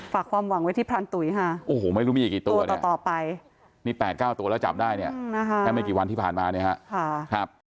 ฟาร์มมาเนี่ยครับ